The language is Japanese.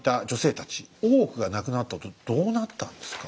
大奥がなくなったあとどうなったんですか？